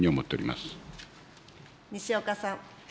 西岡さん。